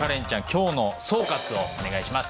今日の総括をお願いします。